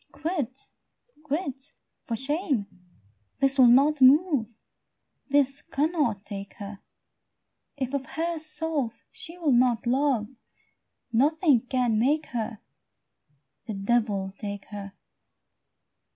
Quit, quit, for shame; this will not move, This cannot take her; If of herself she will not love, Nothing can make her: The devil take her!